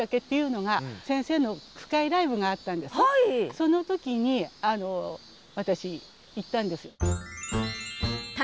その時に私行ったんです。